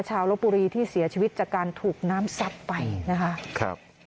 จากการถูกน้ำซับไปนะครับ